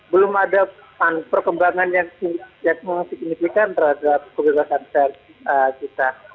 belum ada perkembangan yang signifikan terhadap kebebasan pers kita